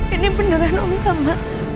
ini beneran om sama